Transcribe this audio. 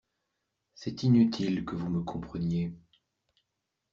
C’est inutile que vous me compreniez.